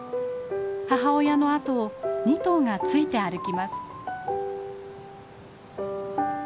母親の後を２頭がついて歩きます。